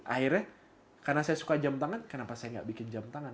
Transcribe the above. akhirnya karena saya suka jam tangan kenapa saya gak bikin jam tangan